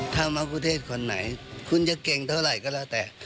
ถ้ามะกุเทศคนไหนคุณจะเก่งเท่าไหร่ก็แล้วแต่